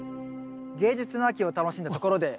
芸術の秋を楽しんだところで。